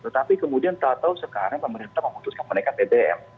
tetapi kemudian tak tahu sekarang pemerintah memutuskan menaikan bbm